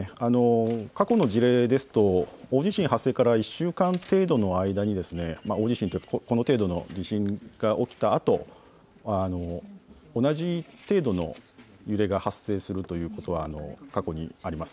過去の事例ですと大地震発生から１週間程度の間にこの程度の地震が起きたあとに同じ程度の揺れが発生するということは過去にあります。